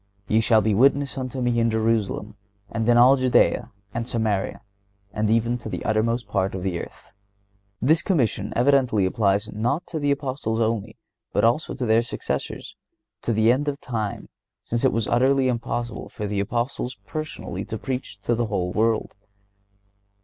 (119) "Ye shall be witnesses unto Me in Jerusalem, and in all Judea, and Samaria, and even to the uttermost part of the earth."(120) This commission evidently applies not to the Apostles only, but also to their successors, to the end of time, since it was utterly impossible for the Apostles personally to preach to the whole world.